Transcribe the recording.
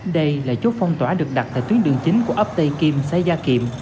đây là chốt phong tỏa được đặt tại tuyến đường chính của ấp tây kim xã gia kiệm